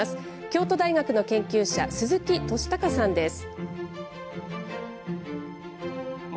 京都大学の研究者、鈴木俊貴さんです。